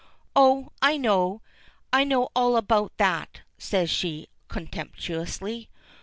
"Oh, I know. I know all about that," says she, contemptuously.